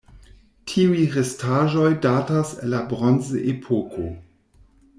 Tiuj restaĵoj datas el la Bronzepoko.